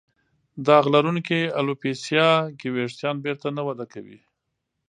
داغ لرونکې الوپیسیا کې وېښتان بېرته نه وده کوي.